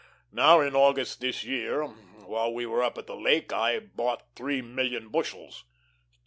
Now in August this year, while we were up at the lake, I bought three million bushels."